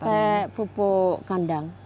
pakai pupuk kandang